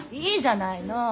いいじゃないの。